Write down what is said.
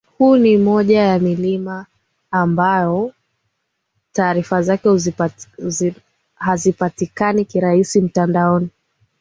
Huu ni mmoja ya milima ambayo taarifa zake hazipatikani kirahisi mtandaoni